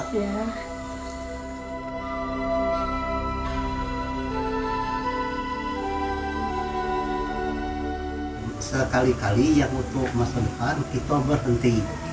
ini salah satu hal yang sering terjadi di negara negara yang juga berpengaruh